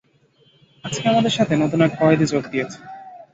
আজকে আমাদের সাথে নতুন এক কয়েদী যোগ দিয়েছে।